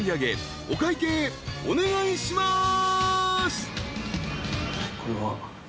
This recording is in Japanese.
［お会計お願いします］